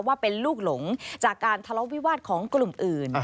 ว่าเป็นลูกหลงจากการทะเลาะวิวาสของกลุ่มอื่น